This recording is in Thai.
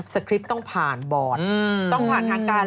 คริปต์ต้องผ่านบอร์ดต้องผ่านทางการ